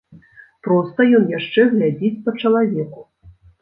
Проста ён яшчэ глядзіць па чалавеку.